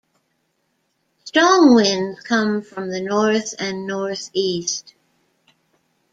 Strong winds come from the north and northeast.